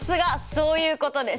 そういうことです！